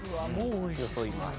よそいます。